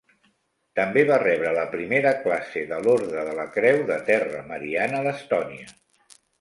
També va rebre la primera classe de l'Orde de la Creu de Terra Mariana d'Estònia.